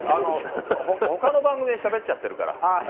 ほかの番組でしゃべっちゃってるから。